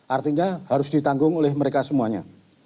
artinya harus ditanggung oleh mereka semuanya